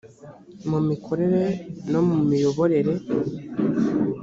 mu mikorere no mu miyoborere